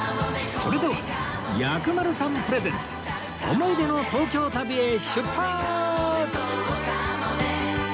それでは薬丸さんプレゼンツ思い出の東京旅へ出発！